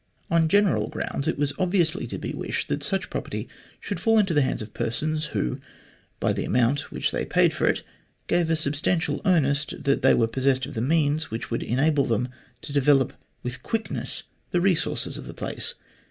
On general grounds it was c 34 THE GLADSTONE COLONY obviously to be wished that such property should fall into the hands of persons who, by the amount which they paid for it, gave a substantial earnest that they were possessed of the means which would enable them to develop with quickness the resources of the place.